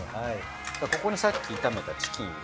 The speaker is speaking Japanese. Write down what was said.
ここにさっき炒めたチキンを。